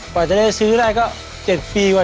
กว่าจะได้ซื้อได้ก็๗ปีกว่า